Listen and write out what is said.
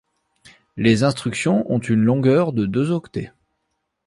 Les instructions ont une longueur de deux octets.